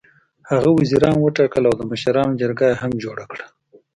هغه وزیران وټاکل او د مشرانو جرګه یې هم جوړه کړه.